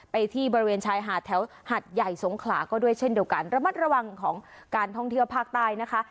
ไปที่บริเวณชายหาดแถวหัดใหญ่สงขลาก็ด้วยเช่นเดียวกันระมัดระวังของการท่องเที่ยวภาคใต้นะคะ